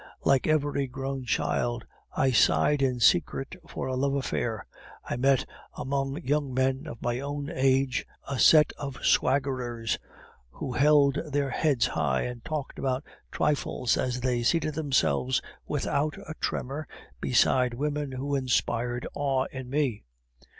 Like every grown child, I sighed in secret for a love affair. I met, among young men of my own age, a set of swaggerers who held their heads high, and talked about trifles as they seated themselves without a tremor beside women who inspired awe in me.